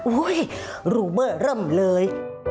อุ๊ยรูเบอร์เริ่มเลย